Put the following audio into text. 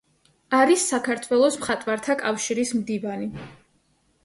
არის საქართველოს მხატვართა კავშირის მდივანი.